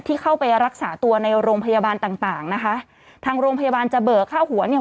ที่เข้าไปรักษาตัวในโรงพยาบาลต่างต่างนะคะทางโรงพยาบาลจะเบิกค่าหัวเนี่ย